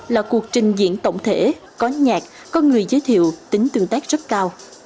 là cuộc trình diễn tổng thể có nhạc có người giới thiệu tính tương tác rất cao